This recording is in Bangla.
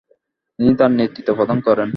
তিনি তার নেতৃত্ব প্রদান করেন।